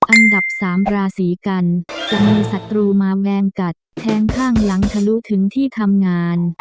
อันดับสามราศีกันจะมีศัตรูมาแวงกัดแทงข้างหลังทะลุถึงที่ทำงาน